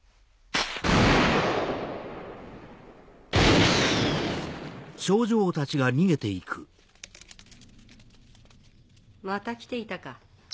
「ビオレ」また来ていたか。